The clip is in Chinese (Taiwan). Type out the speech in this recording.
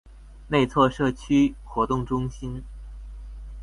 內厝社區活動中心